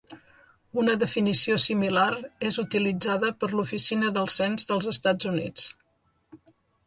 Una definició similar és utilitzada per l'Oficina del Cens dels Estats Units.